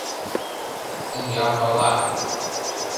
— Ия пала...